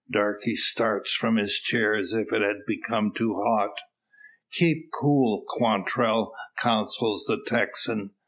Darke starts from his chair, as if it had become too hot. "Keep cool, Quantrell!" counsels the Texan.